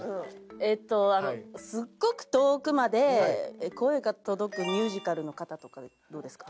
えっとあのすごく遠くまで声が届くミュージカルの方とかどうですか？